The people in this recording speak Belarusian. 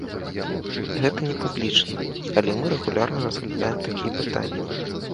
Гэта не публічна, але мы рэгулярна разглядаем такія пытанні.